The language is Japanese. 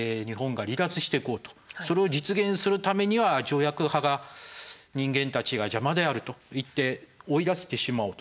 それを実現するためには条約派が人間たちが邪魔であると言って追い出してしまおうと。